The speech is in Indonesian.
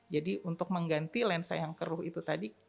jadi untuk mengganti lensa yang keruh itu tadi